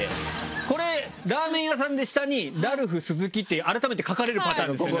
これラーメン屋さんで下に「ラルフ鈴木」って改めて書かれるパターンですよね。